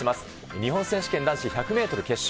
日本選手権男子１００メートル決勝。